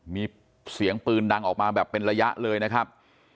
มีเสียงปืนดังออกมาแบบเป็นระยะเลยนะครับ